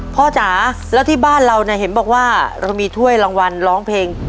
จ๋าแล้วที่บ้านเราเนี่ยเห็นบอกว่าเรามีถ้วยรางวัลร้องเพลง